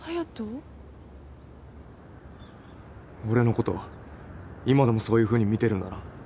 俺のこと今でもそういうふうに見てるんだな。